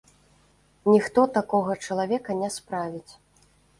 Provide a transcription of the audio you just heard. Ніхто такога чалавека не справіць.